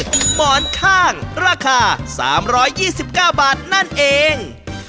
หมอนข้างราคา๓๒๙บาทนั่นเอง